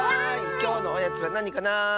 きょうのおやつはなにかな？